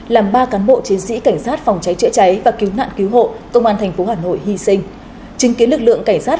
làm ba cán bộ chiến sĩ cảnh sát